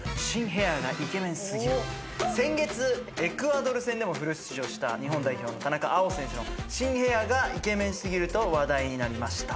先月エクアドル戦でもフル出場した日本代表の田中碧選手の新ヘアがイケメン過ぎると話題になりました。